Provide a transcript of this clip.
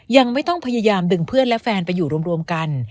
ยังไม่ต้องพยายามดึงเพื่อนและแฟนไปอยู่รวมกัน